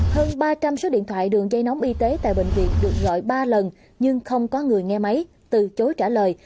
hơn ba trăm linh số điện thoại đường dây nóng y tế tại bệnh viện được gọi ba lần nhưng không có người nghe máy từ chối trả lời